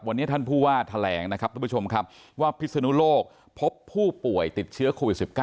วันนี้ท่านผู้ว่าแถลงนะครับทุกผู้ชมครับว่าพิศนุโลกพบผู้ป่วยติดเชื้อโควิด๑๙